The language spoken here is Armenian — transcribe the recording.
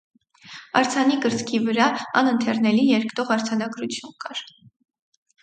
Արձանի կրծքի վրա անընթեռնելի երկտող արձանագրություն կար։